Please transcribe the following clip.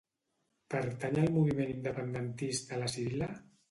Pertany al moviment independentista la Cirila?